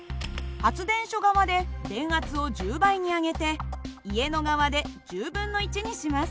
発電所側で電圧を１０倍に上げて家の側で１０分の１にします。